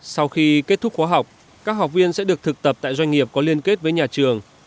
sau khi kết thúc khóa học các học viên sẽ được thực tập tại doanh nghiệp có liên kết với nhà trường